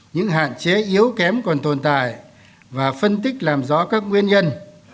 những hạn chế yếu kém còn tồn tại và phân tích làm rõ các nguyên nhân